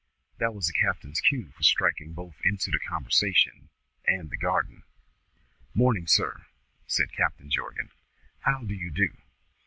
That was the captain's cue for striking both into the conversation and the garden. "Morning, sir!" said Captain Jorgan. "How do you do?"